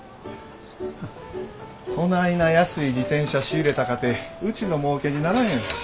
フッこないな安い自転車仕入れたかてうちのもうけにならへんわ。